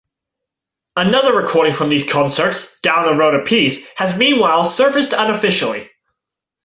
Another recording from those concerts, "Down the Road a Piece", has meanwhile surfaced unofficially.